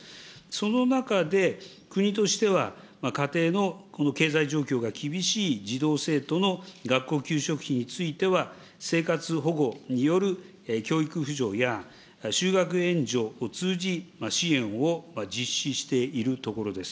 その中で、国としては家庭の経済状況が厳しい児童・生徒の学校給食費については、生活保護による教育扶助や、就学援助を通じ、支援を実施しているところです。